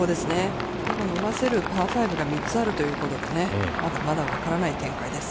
伸ばせるパー５が３つあるということでね、まだまだわからない展開です。